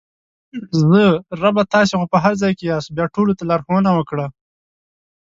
زه: ربه تاسې خو په هر ځای کې یاست بیا ټولو ته لارښوونه وکړه!